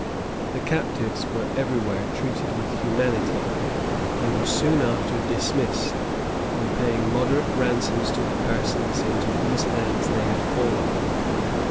The captives were every where treated with humanity, and were soon after dismissed, on paying moderate ransoms to the persons into whose hands they had fallen.